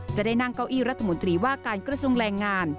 จะได้นั่งเก้าอี้รัฐมนตรีว่าการกระทรวงแรงงาน